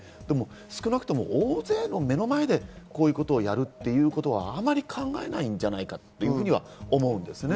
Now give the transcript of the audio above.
少なくとも大勢の目の前でこういうことをやるということはあまり考えないんじゃないかというふうには思うんですね。